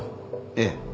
ええ。